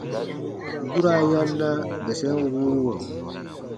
Guraa ya na bɛsɛn wuuwɔ.